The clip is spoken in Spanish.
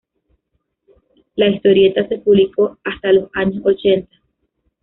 La historieta se publicó hasta los años ochenta.